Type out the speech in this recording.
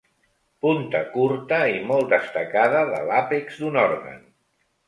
Punta curta i molt destacada de l'àpex d'un òrgan.